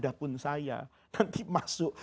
adapun saya nanti masuk